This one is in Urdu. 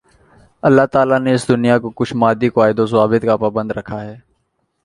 اللہ تعالیٰ نے اس دنیا کو کچھ مادی قواعد و ضوابط کا پابند بنا رکھا ہے